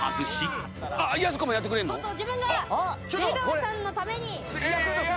自分が出川さんのために。